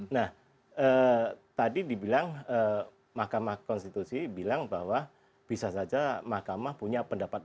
nah tadi dibilang mahkamah konstitusi bilang bahwa bisa saja mahkamah punya pendapat